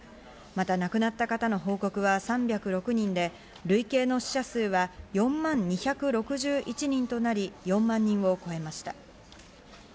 また亡くなった方の報告は３０６人で、累計の死者数は４万２６１人となり、４万人を超えました。